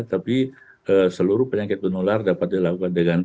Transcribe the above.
tapi seluruh penyakit penular dapat dilakukan dengan baik